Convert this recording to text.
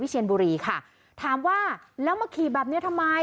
เชียนบุรีค่ะถามว่าแล้วมาขี่แบบเนี้ยทำไม